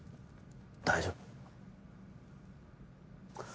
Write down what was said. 大丈夫。